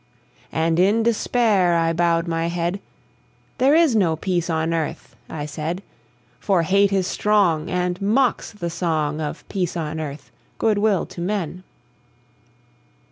And in despair I bowed my head; "There is no peace on earth," I said: "For hate is strong, And mocks the song Of peace on earth, good will to men!"